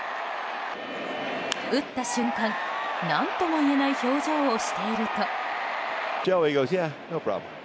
打った瞬間、何ともいえない表情をしていると。